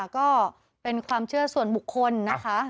ก็เป็นความเชื่อส่วนบุคคลนะคะ